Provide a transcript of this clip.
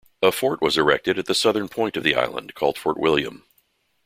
A fort was erected at the southern point of the island called Fort William.